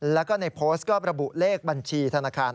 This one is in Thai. แล้วก็ในโพสต์ก็ระบุเลขบัญชีธนาคาร